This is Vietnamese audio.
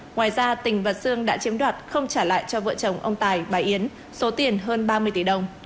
ngoài ra tình và sương đã chiếm đoạt không trả lại cho vợ chồng ông tài bà yến số tiền hơn ba mươi tỷ đồng